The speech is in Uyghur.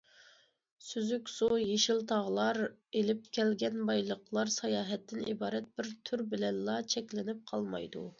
سۈزۈك سۇ، يېشىل تاغلار ئېلىپ كەلگەن بايلىقلار ساياھەتتىن ئىبارەت بىر تۈر بىلەنلا چەكلىنىپ قالمايدۇ.